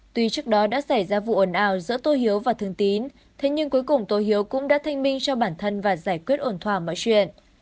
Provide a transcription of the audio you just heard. tuy trước đó đã xảy ra vụ ồn ào giữa tô hiếu và thương tín thế nhưng cuối cùng tô hiếu cũng đã thanh minh cho bản thân và giải quyết ổn thoảng mọi chuyện